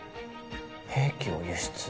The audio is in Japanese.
兵器を輸出？